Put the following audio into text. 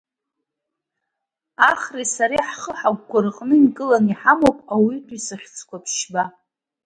Ахреи сареи ҳхы-ҳагәқәа рҟны инкыланы иҳамоуп ауаатәыҩса хьыӡқәа ԥшьба…